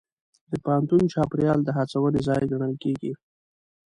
د پوهنتون چاپېریال د هڅونې ځای ګڼل کېږي.